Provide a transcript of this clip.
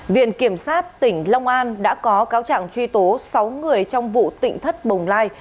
viện kiểm sát tỉnh long an đã có cáo trạng truy tố sáu người trong vụ tỉnh thất bồng lai